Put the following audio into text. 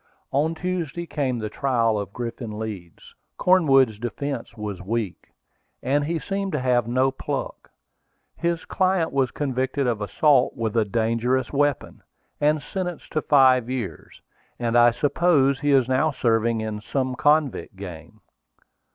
On Tuesday came the trial of Griffin Leeds. Cornwood's defence was weak, and he seemed to have no pluck. His client was convicted of assault with a dangerous weapon, and sentenced to five years; and I suppose he is now serving in some convict gang.